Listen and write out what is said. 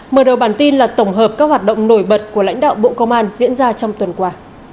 mở đầu bản tin là tổng hợp các hoạt động nổi bật của lãnh đạo bộ công an diễn ra trong tuần qua